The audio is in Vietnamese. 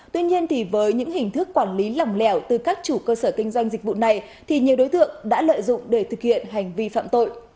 tuy nhiên với những hình thức quản lý lỏng lẻo từ các chủ cơ sở kinh doanh dịch vụ này thì nhiều đối tượng đã lợi dụng để thực hiện hành vi phạm tội